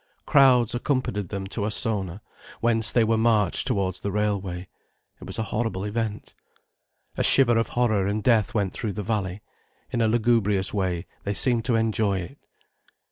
Crowds accompanied them to Ossona, whence they were marched towards the railway. It was a horrible event. A shiver of horror and death went through the valley. In a lugubrious way, they seemed to enjoy it.